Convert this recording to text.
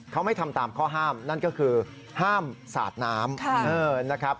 เขาไม่ทำตามข้อห้ามนั่นก็คือห้ามสาดน้ำนะครับ